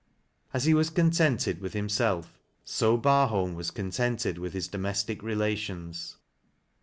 As he was contented with himself, so Bar bolm was contented with his domestic relations.